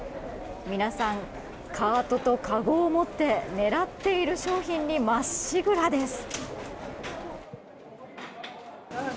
皆さん、カートとかごを持って狙っている商品にまっしぐらです。